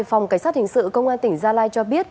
phòng cảnh sát hình sự công an tỉnh gia lai cho biết